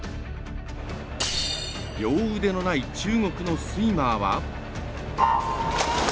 両腕のない中国のスイマーは。